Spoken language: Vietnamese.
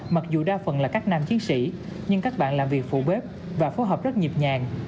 mặc dù đa phần là các nam chiến sĩ nhưng các bạn làm việc phù bếp và phối hợp rất nhịp nhàng